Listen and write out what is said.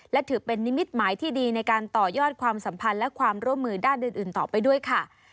และถือเป็นนิมิตหมายที่ดีในการต่อยอดความสัมพันธ์และความร่วมมือด้านอื่นต่อไปด้วยค่ะ